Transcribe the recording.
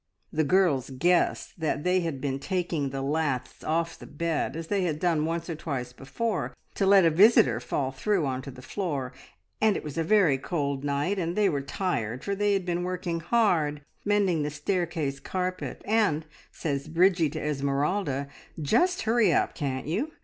The girls guessed that they had been taking the laths off the bed, as they had done once or twice before, to let a visitor fall through on to the floor, and it was a very cold night, and they were tired, for they had been working hard mending the staircase carpet; and says Bridgie to Esmeralda, `Just hurry up, can't you!